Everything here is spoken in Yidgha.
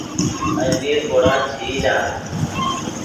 المی خوڑا چے ای لال